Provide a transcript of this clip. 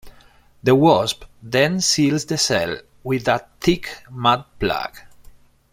The wasp then seals the cell with a thick mud plug.